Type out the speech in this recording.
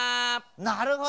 なるほど！